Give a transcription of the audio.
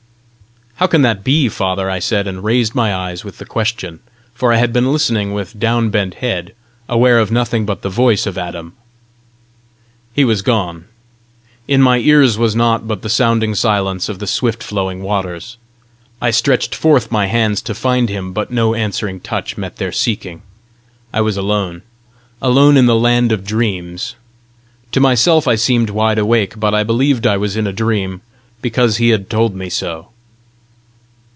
"How can that be, father?" I said, and raised my eyes with the question; for I had been listening with downbent head, aware of nothing but the voice of Adam. He was gone; in my ears was nought but the sounding silence of the swift flowing waters. I stretched forth my hands to find him, but no answering touch met their seeking. I was alone alone in the land of dreams! To myself I seemed wide awake, but I believed I was in a dream, because he had told me so.